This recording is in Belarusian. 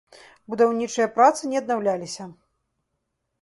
Будаўнічыя працы не аднаўляліся.